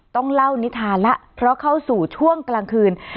ต้องเล่านิทานแล้วเพราะเข้าสู่ช่วงกลางคืน